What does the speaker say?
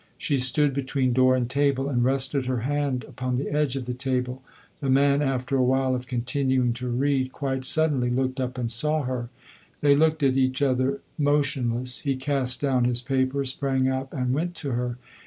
She stood between door and table and rested her hand upon the edge of the table. The man, after a while of continuing to read, quite suddenly looked up and saw her. They looked at each other motionless. He cast down his paper, sprang up and went to her.